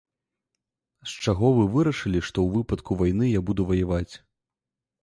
З чаго вы вырашылі, што ў выпадку вайны я буду ваяваць?